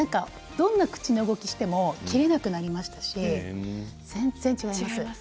どんな口の動きをしても切れなくなりましたし全然、違います。